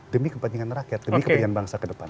demi kepentingan rakyat demi kepentingan bangsa ke depan